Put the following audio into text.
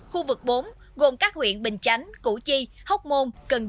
khu vực bốn gồm các huyện bình chánh củ chi hóc môn cần thơ